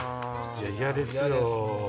嫌ですよ。